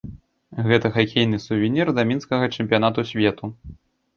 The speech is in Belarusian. Гэта хакейны сувенір да мінскага чэмпіянату свету.